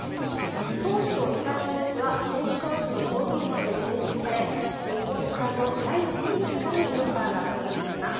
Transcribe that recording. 投手と控えの野手は選手同士の投票などで選出され日本時間の来月３日にメンバーが発表されます。